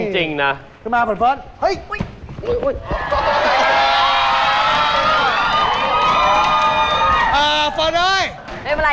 จริงนะ